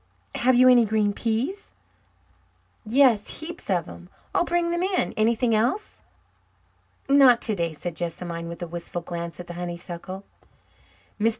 Have you any green peas?" "Yes, heaps of them. I'll bring them in. Anything else?" "Not today," said Jessamine, with a wistful glance at the honeysuckle. Mr.